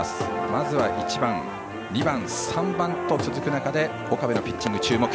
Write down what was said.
まずは１番、２番、３番と続く中で岡部のピッチング、注目。